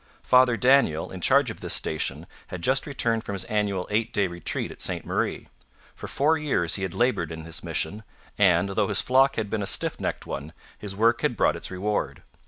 Father Daniel, in charge of this station, had just returned from his annual eight day retreat at Ste Marie. For four years he had laboured in this mission; and, though his flock had been a stiff necked one, his work had brought its reward.